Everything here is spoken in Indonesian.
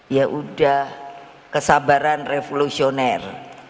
ya udah kesabaran revolusioner